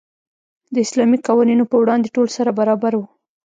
د اسلامي قوانینو په وړاندې ټول سره برابر وو.